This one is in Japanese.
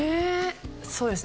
そうですね。